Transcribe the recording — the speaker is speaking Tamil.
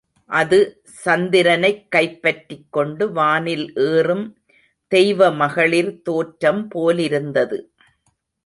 அது சந்திரனைக் கைப்பற்றிக் கொண்டு வானில் ஏறும் தெய்வ மகளிர் தோற்றம் போலிருந்தது.